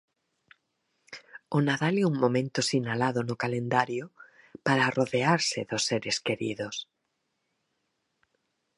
O Nadal é un momento sinalado no calendario para arrodearse dos seres queridos.